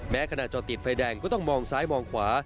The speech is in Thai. แม้ขณะเกาะติดไฟแดงก็ต้องมองซ้ำองขวา